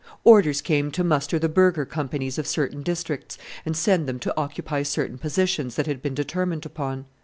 Orders came to muster the burgher companies of certain districts, and send them to occupy certain positions that had been determined upon.